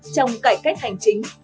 trong cải cách hành chính